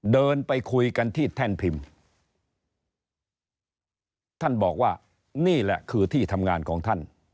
เดินไปคุยกันที่แท่นพิมพ์ท่านบอกว่านี่แหละคือที่ทำงานของท่าน